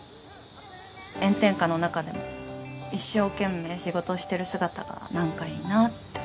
炎天下の中でも一生懸命仕事してる姿が何かいいなって。